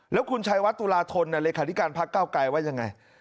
แล้วคุณชัยวัดตุลาธนเลขาธิการพักเก้าไกลว่ายังไง